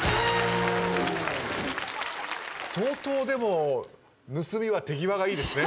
相当盗みは手際がいいですね。